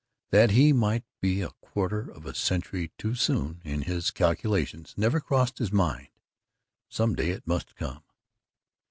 That he might be a quarter of a century too soon in his calculations never crossed his mind. Some day it must come.